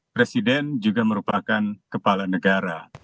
presiden juga merupakan kepala negara